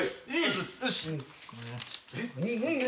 よし。